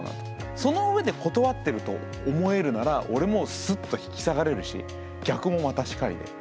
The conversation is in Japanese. そのうえで断ってると思えるなら俺もスッと引き下がれるし逆もまたしかりで。